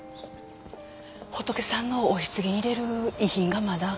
仏さんのお棺に入れる遺品がまだ。